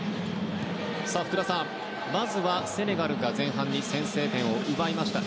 福田さん、まずはセネガルが前半に先制点を奪いました。